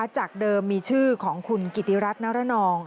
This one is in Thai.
จากเดิมมีชื่อของขุนกิตีรัตน์หน้ารนอง